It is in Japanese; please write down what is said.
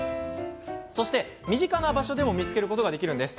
そして身近な場所でも見つけることができるんです。